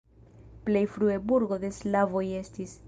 Plej frue burgo de slavoj estis.